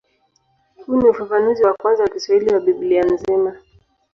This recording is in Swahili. Huu ni ufafanuzi wa kwanza wa Kiswahili wa Biblia nzima.